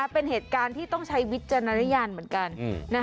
เป็นเหตุการณ์ที่ต้องใช้วิจารณญาณเหมือนกัน